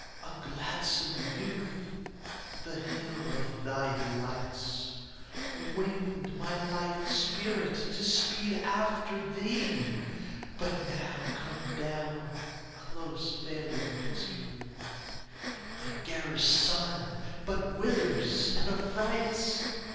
A gladsome youth, the hill of thy delights Winged my lithe spirit to speed after thee, But now, come down, close veilëd Mystery, The garish sun but withers and affrights.